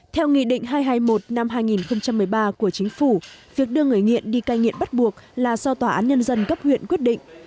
theo nghị định hai trăm hai mươi một năm hai nghìn một mươi ba của chính phủ việc đưa người nghiện đi cai nghiện bắt buộc là do tòa án nhân dân cấp huyện quyết định